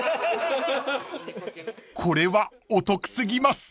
［これはお得過ぎます］